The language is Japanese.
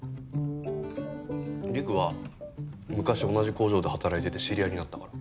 りくは昔同じ工場で働いてて知り合いになったから。